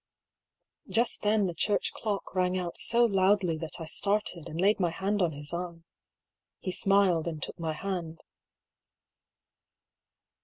Just then the church clock rang out so loudly that I started, and laid my hand on his arm. He smiled, and took my hand.